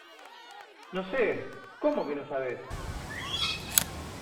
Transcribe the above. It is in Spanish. No sé. ¿ cómo que no sabes?